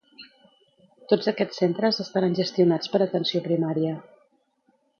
Tots aquests centres estaran gestionats per atenció primària.